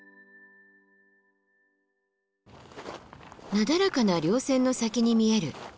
なだらかな稜線の先に見える双六岳。